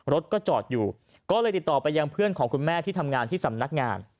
รถก็จอดอยู่ก็เลยติดต่อไปยังเพื่อนของคุณแม่ที่ทำงานที่สำนักงาน